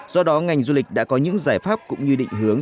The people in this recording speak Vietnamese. do đó ngành du lịch đã có những giải pháp cũng như định hướng